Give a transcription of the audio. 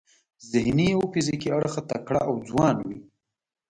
ذهني او فزیکي اړخه تکړه او ځوان وي.